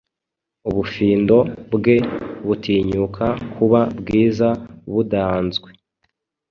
Ubufindo bwe butinyuka kuba bwiza budaanzwe